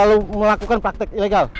anda terlalu melakukan praktik ilegal